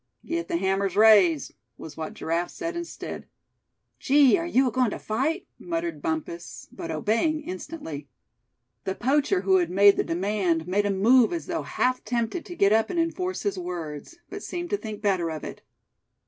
"Get the hammers raised," was what Giraffe said instead. "Gee! are you agoin' to fight?" muttered Bumpus; but obeying instantly. The poacher who had made the demand made a move as though half tempted to get up and enforce his words; but seemed to think better of it.